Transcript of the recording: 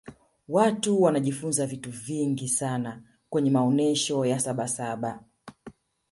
watu wanajifunza vitu vingi sana kwenye maonyesho ya sabasaba